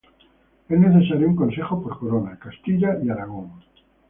Es necesario un Consejo por Corona: Castilla y Aragón.